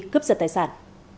cướp giật tài sản